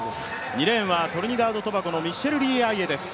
２レーンはトリニダードトバコのミッシェルリー・アイエ選手です。